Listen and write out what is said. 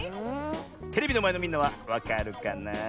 テレビのまえのみんなはわかるかなあ？